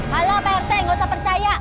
halo pak rt gak usah percaya